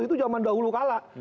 itu zaman dahulu kalah